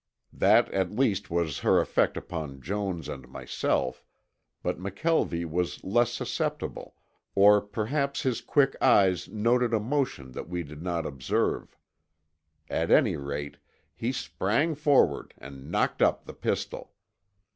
That at least was her effect upon Jones and myself, but McKelvie was less susceptible, or perhaps his quick eyes noted a motion that we did not observe. At any rate, he sprang forward and knocked up the pistol.